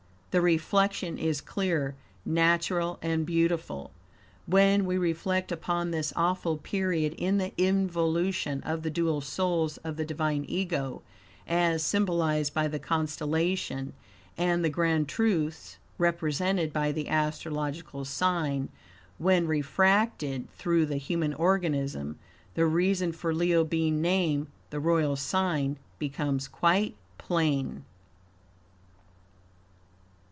The reflection is clear, natural and beautiful. When we reflect upon this awful period in the involution of the dual souls of the Divine Ego, as symbolized by the constellation, and the grand truths represented by the astrological sign when refracted through the human organism, the reason for Leo being named the Royal Sign becomes quite plain.